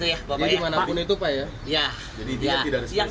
jadi dimanapun itu pak ya